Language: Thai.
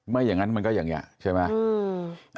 อย่างนั้นมันก็อย่างนี้ใช่ไหม